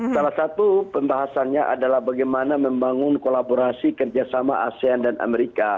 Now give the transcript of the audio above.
salah satu pembahasannya adalah bagaimana membangun kolaborasi kerjasama asean dan amerika